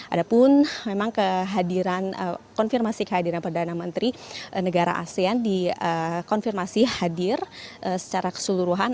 ada pun memang kehadiran konfirmasi kehadiran perdana menteri negara asean dikonfirmasi hadir secara keseluruhan